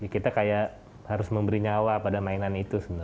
kita harus memberi nyawa pada mainan itu